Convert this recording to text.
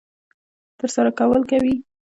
ترسره کول کوي.